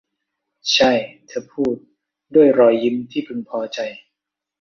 ใช่ เธอพูด ด้วยรอยยิ้มที่พึงพอใจ